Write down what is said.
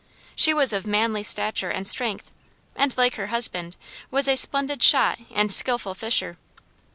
She was of manly stature and strength, and like her husband, was a splendid shot and skillful fisher.